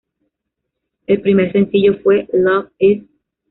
El primer sencillo fue "Love Is".